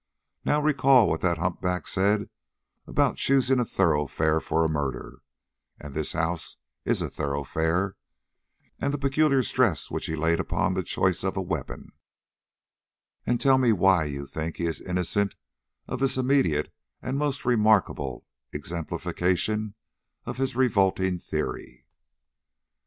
Now recall what that humpback said about choosing a thoroughfare for a murder (and this house is a thoroughfare), and the peculiar stress which he laid upon the choice of a weapon, and tell me why you think he is innocent of this immediate and most remarkable exemplification of his revolting theory?"